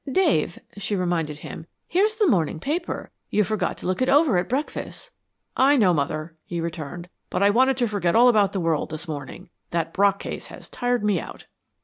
"Dave," she reminded him, "here's the morning paper. You forgot to look it over at breakfast." "I know, Mother," he returned, "but I wanted to forget all about the world this morning. That Brock case has tired me out."